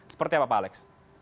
seperti apa pak alex